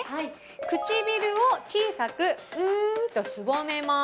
唇を、小さく、うーとすぼめます。